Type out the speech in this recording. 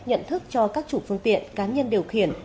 nhận thức cho các chủ phương tiện cá nhân điều khiển